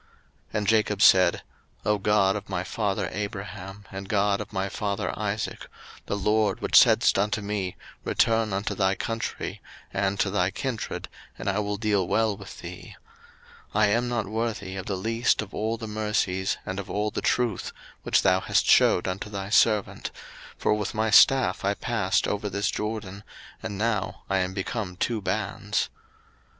01:032:009 And Jacob said, O God of my father Abraham, and God of my father Isaac, the LORD which saidst unto me, Return unto thy country, and to thy kindred, and I will deal well with thee: 01:032:010 I am not worthy of the least of all the mercies, and of all the truth, which thou hast shewed unto thy servant; for with my staff I passed over this Jordan; and now I am become two bands.